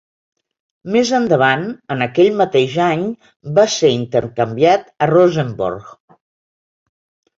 Més endavant, en aquell mateix any, va ser intercanviat a Rosenborg.